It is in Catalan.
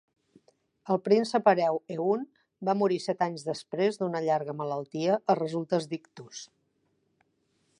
El príncep hereu Eun va morir set anys després d'una llarga malaltia a resultes d'ictus.